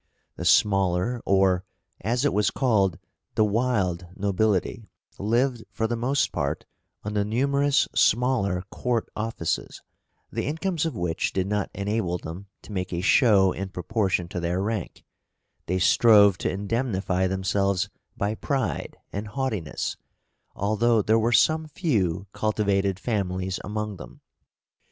The smaller or, as it was called, the "wilde" nobility lived for the most part on the numerous smaller court offices, the incomes of which did not enable them to make a show in proportion to their rank; they strove to indemnify themselves by pride and haughtiness, although there were some few cultivated families among them.